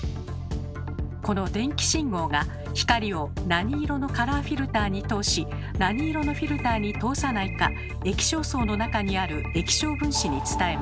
この電気信号が光を何色のカラーフィルターに通し何色のフィルターに通さないか液晶層の中にある液晶分子に伝えます。